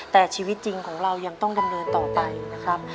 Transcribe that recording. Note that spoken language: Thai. แต่ชีวิตจริงของเรายังต้องดำเนินต่อไปนะครับ